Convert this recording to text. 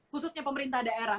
khususnya pemerintah daerah